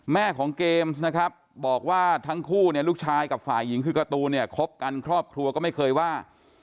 แม่ของเกมบอกว่าทั้งคู่ลูกชายกับฝ่ายหญิงคือการ์ตูครบกันครอบครัวก็ไม่เคยว่า